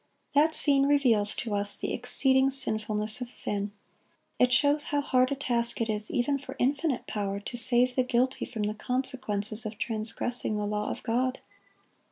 That scene reveals to us the exceeding sinfulness of sin; it shows how hard a task it is, even for infinite power, to save the guilty from the consequences of transgressing the law of God.